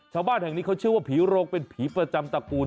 ชาวบ้านแห่งนี้เขาชื่อว่าผีโรงเป็นผีประจำตระกูล